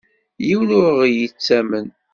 Yiwen ur ɣ-yettamen.